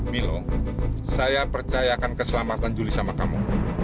milo saya percaya akan keselamatan juli sama kamu